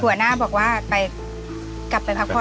แล้วหัวหน้าบอกว่ากลับไปพักก่อน